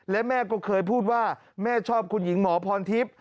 และแม่ก็เคยพูดว่าแม่ชอบคุณหญิงหมอพรทิพย์